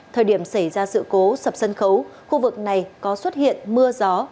thời điểm xảy ra sự cố sập sân khấu khu vực này có xuất hiện mưa gió